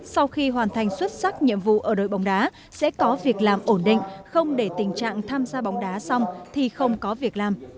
sau khi hoàn thành xuất sắc nhiệm vụ ở đội bóng đá sẽ có việc làm ổn định không để tình trạng tham gia bóng đá xong thì không có việc làm